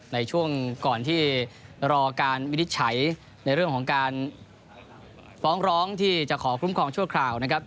ในช่วงก่อนที่รอการวินิจฉัยในเรื่องของการฟ้องร้องที่จะขอคุ้มครองชั่วคราวนะครับ